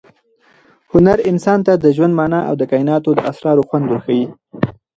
هنر انسان ته د ژوند مانا او د کائناتو د اسرارو خوند ورښيي.